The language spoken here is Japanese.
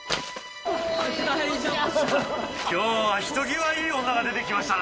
今日はひときわいい女が出てきましたな。